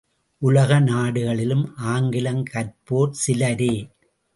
உலக நாடுகளிலும் ஆங்கிலம், கற்போர் சிலரே!